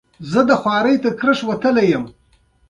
هره کورنۍ مکلفه وه چې لونګ ورکړي.